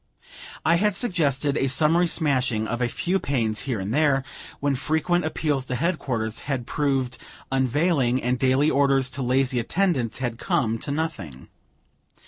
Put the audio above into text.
I had suggested a summary smashing of a few panes here and there, when frequent appeals to headquarters had proved unavailing, and daily orders to lazy attendants had come to nothing.